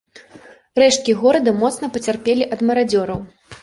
Рэшткі горада моцна пацярпелі ад марадзёраў.